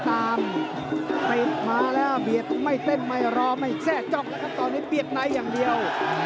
เตรียมมาแล้วไม่เต้นไม่รอไม่แช่เจาะล่ะครับตอนนี้เปียกไหน่อย่างเดียว